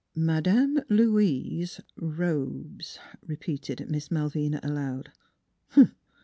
" Mad am Loo ise : Robes," repeated Miss Malvina aloud.